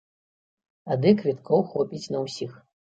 Тады квіткоў хопіць на ўсіх.